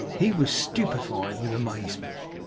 He was stupefied with amazement.